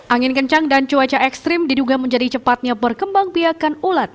angin kencang dan cuaca ekstrim diduga menjadi cepatnya berkembang piakan ulat